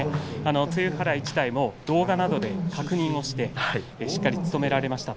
露払い自体も動画などで確認をしてしっかりと務められました。